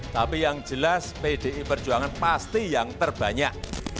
tapi yang jelas pdi perjuangan pasti yang terbanyak